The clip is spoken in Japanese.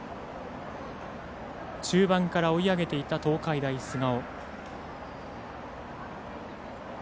中盤から追い上げていた東海大菅生。